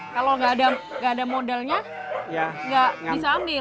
kalau nggak ada modalnya ya nggak bisa ambil